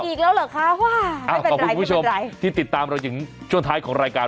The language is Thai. อีกแล้วเหรอคะว่าไม่เป็นไรคุณผู้ชมที่ติดตามเราถึงช่วงท้ายของรายการ